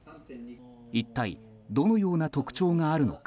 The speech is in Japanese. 一体どのような特徴があるのか。